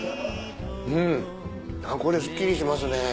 うんこれすっきりしますね。